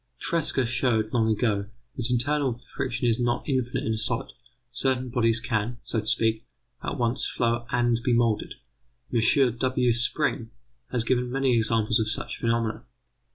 Tresca showed long ago that internal friction is not infinite in a solid; certain bodies can, so to speak, at once flow and be moulded. M.W. Spring has given many examples of such phenomena.